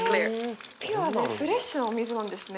ピュアなフレッシュなお水なんですね。